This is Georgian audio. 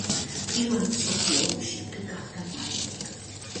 პირველი მსოფლიო ომის შემდეგ გახდა მაიორი.